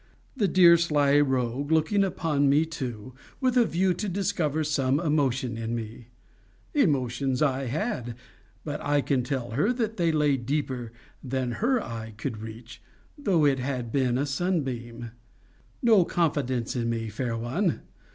The dear sly rogue looking upon me, too, with a view to discover some emotion in me. Emotions I had; but I can tell her that they lay deeper than her eye could reach, though it had been a sun beam. No confidence in me, fair one!